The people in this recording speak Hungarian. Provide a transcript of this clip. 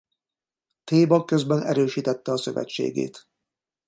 Théba közben erősítette a szövetségét.